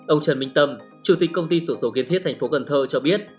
ông trần minh tâm chủ tịch công ty sổ số kiên thiết thành phố cần thơ cho biết